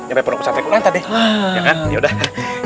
nyampe pondok pesantren ku nantai deh